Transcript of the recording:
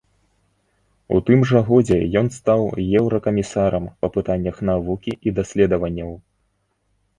У тым жа годзе ён стаў еўракамісарам па пытаннях навукі і даследаванняў.